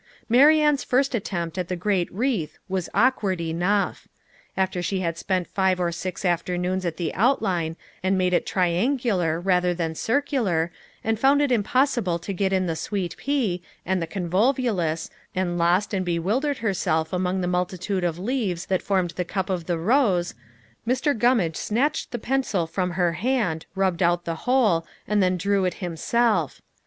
Marianne's first attempt at the great wreath was awkward enough. After she had spent five or six afternoons at the outline, and made it triangular rather than circular, and found it impossible to get in the sweet pea, and the convolvulus, and lost and bewildered herself among the multitude of leaves that formed the cup of the rose, Mr. Gummage snatched the pencil from her hand, rubbed out the whole, and then drew it himself.